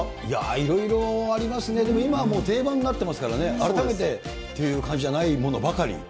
いろいろありますね、でも今は定番になってますからね、改めてっていう感じじゃないものばかり。